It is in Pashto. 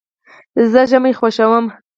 زه ژمی خوښوم.